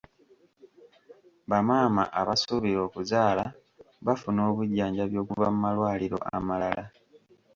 Bamaama abasuubira okuzaala bafuna obujjanjabi okuva mu malwaliro amalala.